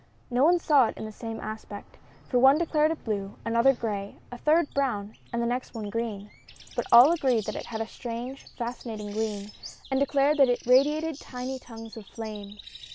No one saw it in the same aspect, for one declared it blue, another gray, a third brown and the next one green. But all agreed that it had a strange, fascinating gleam, and declared that it radiated tiny tongues of flame.